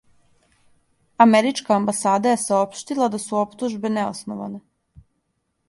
Америчка амбасада је саопштила да су оптужбе неосноване.